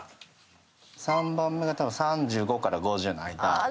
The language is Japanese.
３番目がたぶん３５から５０の間。